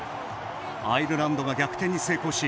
アイルランドが逆転に成功し